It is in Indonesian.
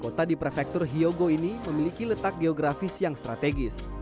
kota di prefektur hyogo ini memiliki letak geografis yang strategis